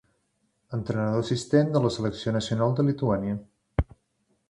Entrenador assistent de la selecció nacional de Lituània.